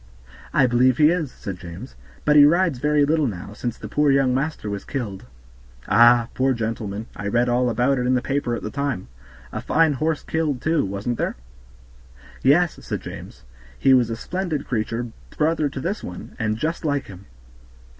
"I believe he is," said James, "but he rides very little now, since the poor young master was killed." "Ah! poor gentleman; I read all about it in the paper at the time. A fine horse killed, too, wasn't there?" "Yes," said James; "he was a splendid creature, brother to this one, and just like him."